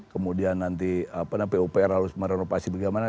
kemudian nanti pupr harus merenovasi bagaimana